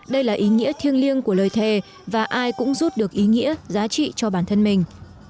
đây là ý nghĩa thiêng liêng của lời thề và ai cũng rút được ý nghĩa giá trị cho bản thân mình